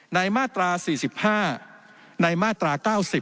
มาตรา๔๕ในมาตรา๙๐